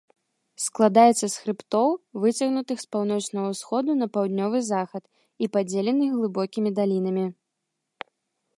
Складаецца з хрыбтоў, выцягнутых з паўночнага ўсходу на паўднёвы захад і падзеленых глыбокімі далінамі.